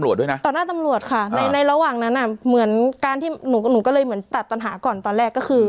หลวงมากก็กำลังถัดตัวถาม